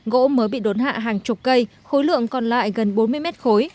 gỗ mới bị đốn hạ hàng chục cây khối lượng còn lại gần bốn mươi mét khối